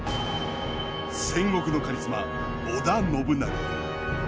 戦国のカリスマ織田信長。